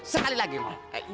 sekali lagi mau